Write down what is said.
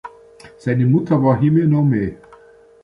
Seine Mutter war "Hime no Mae".